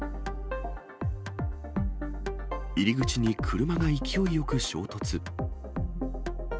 入り口に車が勢いよく衝突。